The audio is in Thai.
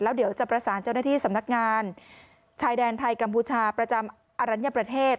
เดี๋ยวจะประสานเจ้าหน้าที่สำนักงานชายแดนไทยกัมพูชาประจำอรัญญประเทศ